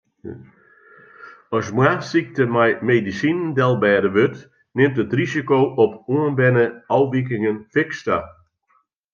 As moarnssykte mei medisinen delbêde wurdt, nimt it risiko op oanberne ôfwikingen fiks ta.